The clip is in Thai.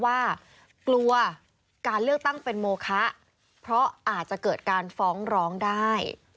ไม่ตั้งเป็นโมคะเพราะอาจจะเกิดการฟ้องร้องได้